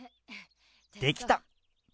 できた。